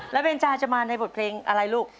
แล้วเบนจาจะมาในบทเพลงอะไรลูก